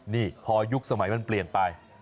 นี่พอยุคสมัยมันเปลี่ยนไป